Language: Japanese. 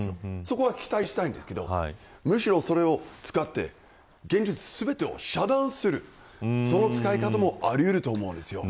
そこは期待したいんですけどむしろそれを使って現実全てを遮断するその使い方もあり得ると思うんです。